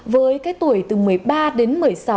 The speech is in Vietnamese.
với cái tuổi từ một mươi ba đến một mươi sáu